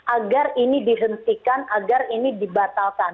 agar ini dihentikan agar ini dibatalkan